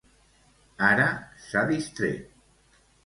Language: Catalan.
Ara s'ha distret.